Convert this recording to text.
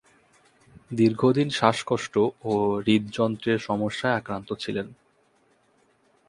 দীর্ঘদিন শ্বাসকষ্ট ও হৃদযন্ত্রের সমস্যায় আক্রান্ত ছিলেন।